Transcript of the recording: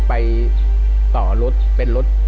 ไปต่อรถเป็นรถ